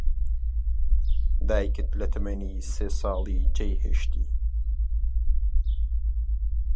دایکت لە تەمەنی سێ ساڵی جێی هێشتی.